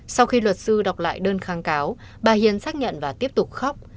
sau khi luật sư đọc lại đơn kháng cáo bà hiền xác nhận và tiếp tục khóc